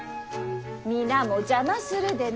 皆も邪魔するでない！